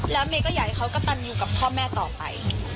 แล้วเมย์ก็อยากให้เขากระตันอยู่กับพ่อแม่ต่อไป